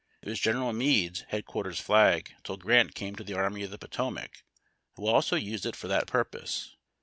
It was General Meade's headquarters Hag till Grant came to the Army of the Potomac, who also used it for that purpose.